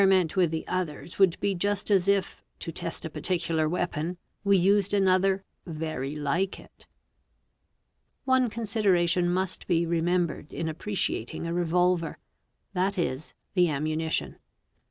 To experiment with the others woul be just as if, to test a particular weapon, we used another " very like of x One consideration must be remembered in appreciating a revolve that is, the ammunition.